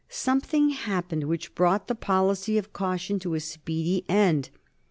Something happened which brought the policy of caution to a speedy end.